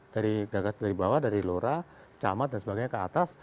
dari gagasan dari bawah dari lora camat dan sebagainya ke atas